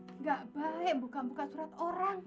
enggak baik buka buka surat orang